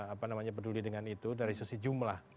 apa namanya peduli dengan itu dari sisi jumlah